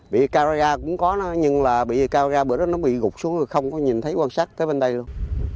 bị cao ra cũng có nhưng là bị cao ra bữa đó nó bị gục xuống rồi không có nhìn thấy quan sát tới bên đây luôn